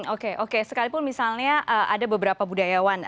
oke oke sekalipun misalnya ada beberapa budayawan